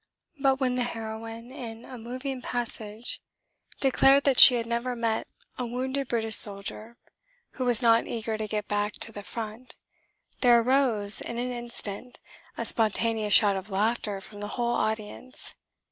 But when the heroine, in a moving passage, declared that she had never met a wounded British soldier who was not eager to get back to the front, there arose, in an instant, a spontaneous shout of laughter from the whole audience.